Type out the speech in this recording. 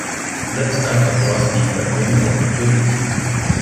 Zeb starts off rusty, but warms up and wins.